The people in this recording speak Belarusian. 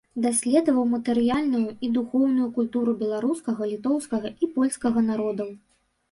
Даследаваў матэрыяльную і духоўную культуру беларускага, літоўскага і польскага народаў.